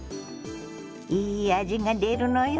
いい味が出るのよ。